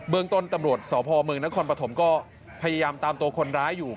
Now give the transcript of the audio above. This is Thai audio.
เมืองต้นตำรวจสพเมืองนครปฐมก็พยายามตามตัวคนร้ายอยู่